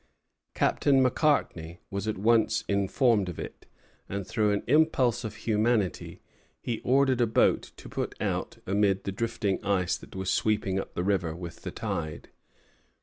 Captain Macartney was at once informed of it; and, through an impulse of humanity, he ordered a boat to put out amid the drifting ice that was sweeping up the river with the tide.